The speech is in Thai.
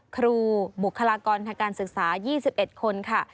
ครูบุคลากรทางการศึกษา๒๑คนค่ะ